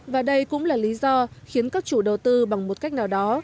và đây cũng là lý do khiến các chủ đầu tư bằng một cách nào đó